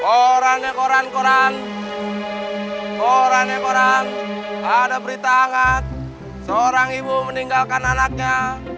koran ya koran koran koran ya koran ada berita hangat seorang ibu meninggalkan anaknya